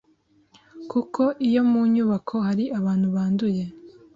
kuko iyo mu nyubako hari abantu banduye